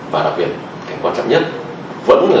và đặc biệt cái quan trọng nhất